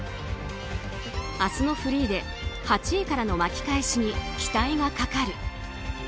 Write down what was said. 明日のフリーで、８位からの巻き返しに期待がかかる。